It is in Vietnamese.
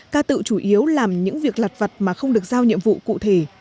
ca tựu chủ yếu làm những việc lặt vặt mà không được giao nhiệm vụ cụ thể